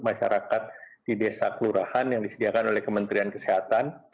masyarakat di desa kelurahan yang disediakan oleh kementerian kesehatan